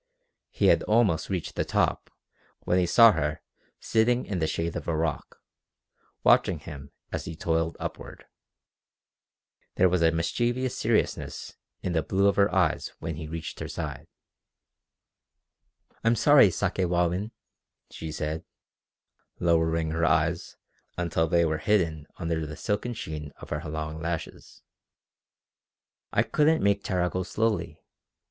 He had almost reached the top when he saw her sitting in the shade of a rock, watching him as he toiled upward. There was a mischievous seriousness in the blue of her eyes when he reached her side. "I'm sorry, Sakewawin," she said, lowering her eyes until they were hidden under the silken sheen of her long lashes, "I couldn't make Tara go slowly.